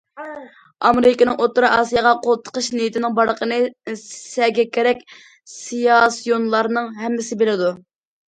ئامېرىكىنىڭ ئوتتۇرا ئاسىياغا قول تىقىش نىيىتىنىڭ بارلىقىنى سەگەكرەك سىياسىيونلارنىڭ ھەممىسى بىلىدۇ.